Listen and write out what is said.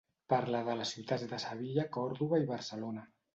Parla de les ciutats de Sevilla, Còrdova i Barcelona.